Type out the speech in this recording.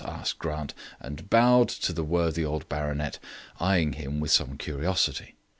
asked Grant, and bowed to the worthy old baronet, eyeing him with some curiosity.